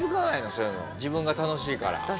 自分が楽しいから。